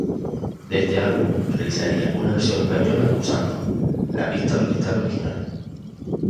De este álbum, realizaría una versión española usando la pista orquestal original.